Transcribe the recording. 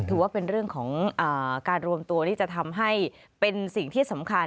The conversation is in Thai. ถือว่าเป็นเรื่องของการรวมตัวที่จะทำให้เป็นสิ่งที่สำคัญ